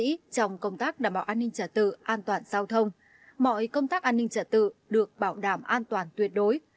trong công tác đảm bảo an ninh trả tự an toàn giao thông mọi công tác an ninh trả tự được bảo đảm an toàn tuyệt đối